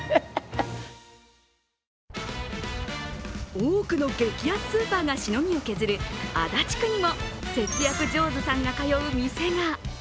多くの激安スーパーがしのぎを削る足立区にも節約上手さんが通う店が。